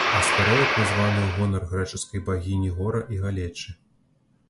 Астэроід названы ў гонар грэчаскай багіні гора і галечы.